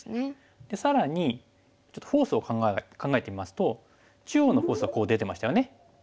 更にちょっとフォースを考えてみますと中央のフォースはこう出てましたよね。